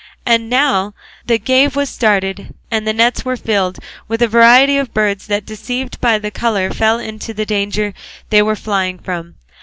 And now the game was started, and the nets were filled with a variety of birds that deceived by the colour fell into the danger they were flying from.